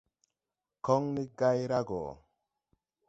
Kɔŋne gay ra gɔ.